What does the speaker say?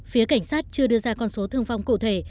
phía cảnh sát chưa đưa ra con số thương vong cụ thể